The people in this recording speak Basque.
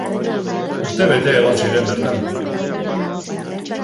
Urte bete egon ziren bertan.